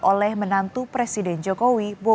oleh menantu presiden joko widodo